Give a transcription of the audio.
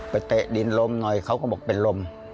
เตะดินลมหน่อยเขาก็บอกเป็นลม